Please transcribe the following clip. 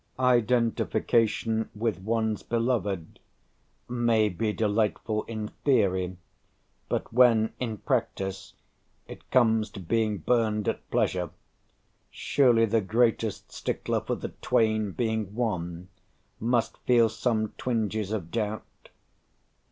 Identification with one's beloved may be delightful in theory, but when, in practice, it comes to being burned at pleasure, surely the greatest stickler for the "twain being one" must feel some twinges of doubt.